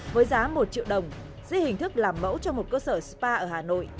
với giá một triệu đồng dưới hình thức làm mẫu cho một cơ sở spa ở hà nội